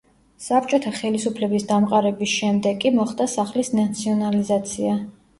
საბჭოთა ხელისუფლების დამყარების შემდეგ კი მოხდა სახლის ნაციონალიზაცია.